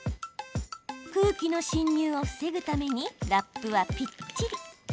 空気の侵入を防ぐためにラップはぴっちり。